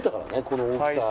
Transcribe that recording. この大きさ。